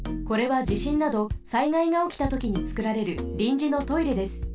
これはじしんなど災害がおきたときにつくられるりんじのトイレです。